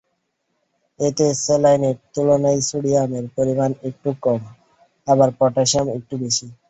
এতে স্যালাইনের তুলনায় সোডিয়ামের পরিমাণ একটু কম, আবার পটাশিয়াম একটু বেশি।